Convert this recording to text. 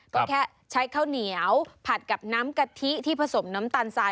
ก็แค่ใช้ข้าวเหนียวผัดกับน้ำกะทิที่ผสมน้ำตาลทราย